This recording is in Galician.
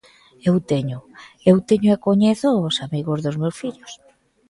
Eu teño, eu teño e coñezo os amigos dos meus fillos.